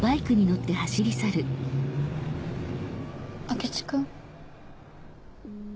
明智君？